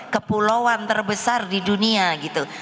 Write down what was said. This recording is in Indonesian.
kepulauan terbesar di dunia gitu